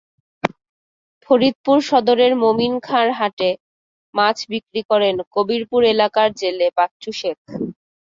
ফরিদপুর সদরের মমিনখাঁর হাটে মাছ বিক্রি করেন কবিরপুর এলাকার জেলে বাচ্চু শেখ।